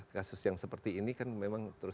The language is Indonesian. kasus yang seperti ini kan memang terus